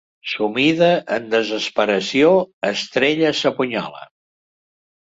Sumida en desesperació, Estrella s'apunyala.